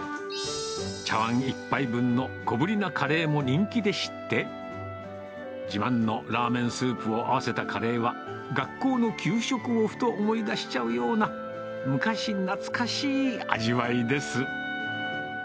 茶わん１杯分の小ぶりなカレーも人気でして、自慢のラーメンスープを合わせたカレーは、学校の給食をふと思い出しちゃうような、昔懐かしい味わいです。